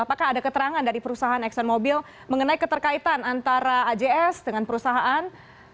apakah ada keterangan dari perusahaan exxon mobil mengenai keterkaitan antara ajs dengan perusahaan